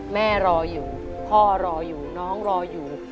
รออยู่พ่อรออยู่น้องรออยู่